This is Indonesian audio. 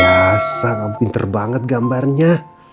masa gak pinter banget gambarnya